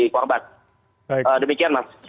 korban demikian mas